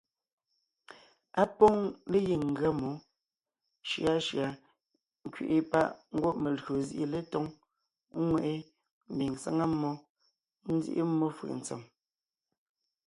Á pôŋ legiŋ ngʉa mmó shʉashʉa nkẅiʼi páʼ ngwɔ́ melÿo zîʼi letóŋ, ŋweʼe mbiŋ sáŋa mmó, nzíʼi mmó fʉʼ ntsèm.